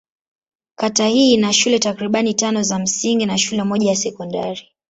Kata hii ina shule takriban tano za msingi na shule moja ya sekondari.